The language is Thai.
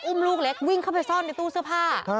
ลูกเล็กวิ่งเข้าไปซ่อนในตู้เสื้อผ้า